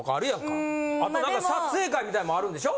あと何か撮影会みたいのもあるんでしょ？